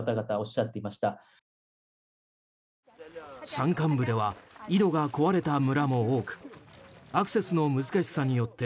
山間部では井戸が壊れた村も多くアクセスの難しさによって